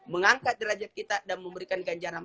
mengangkat derajat kita dan memberikan ganjaran